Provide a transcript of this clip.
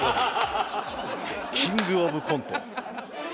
キングオブコント。